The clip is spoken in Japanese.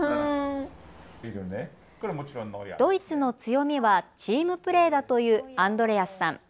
ドイツの強みはチームプレーだというアンドレアスさん。